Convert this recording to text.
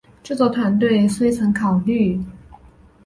制作团队虽曾考虑让一位成人饰演小啄木鸟奎尔负责担任。